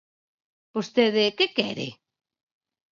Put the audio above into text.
Vostede ¿que quere?